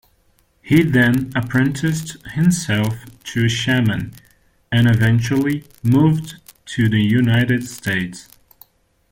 He then apprenticed himself to a shaman, and eventually moved to the United States.